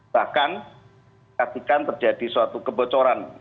bahkan ketika terjadi suatu kebocoran